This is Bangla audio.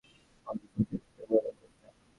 তিনি দেড়শত কিলোমিটারেরও অধিক গতিবেগে বোলিং করতেন।